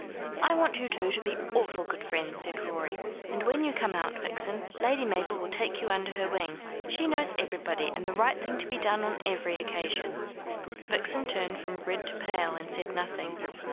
"I want you two to be awful good friends," said Rorie; "and when you come out, Vixen, Lady Mabel will take you under her wing. She knows everybody, and the right thing to be done on every occasion." Vixen turned from red to pale, and said nothing.